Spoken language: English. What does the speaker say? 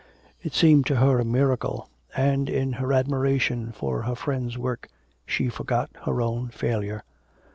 It seemed to her a miracle, and, in her admiration for her friend's work, she forgot her own failure.